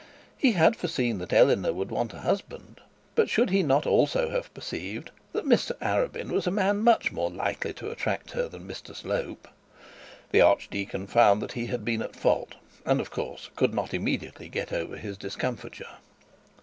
He had foreseen that Eleanor would want a husband; but should he not also have perceived that Mr Arabin was a man much more likely to attract her than Mr Slope? The archdeacon found that he had been at fault, and of course could not immediately get over his discomfiture.